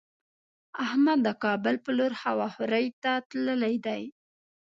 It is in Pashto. احمد د کابل په لور هوا خورۍ ته تللی دی.